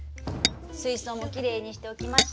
水槽もきれいにしておきました。